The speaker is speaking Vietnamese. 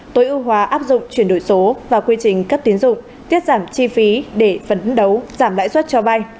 tối ưu hóa áp dụng chuyển đổi số và quy trình cấp tiến dụng tiết giảm chi phí để phấn đấu giảm lãi suất cho bay